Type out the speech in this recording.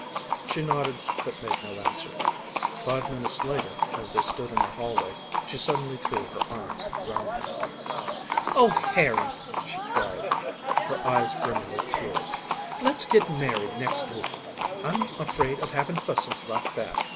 She nodded but made no answer. Five minutes later as they stood in the hallway she suddenly threw her arms round him. "Oh, Harry," she cried, her eyes brimming with tears; "let's get married next week. I'm afraid of having fusses like that.